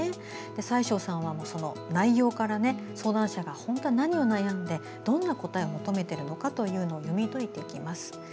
最相さんは、その内容から相談者が何に悩んでどんな答えを求めているのか読み解いていきます。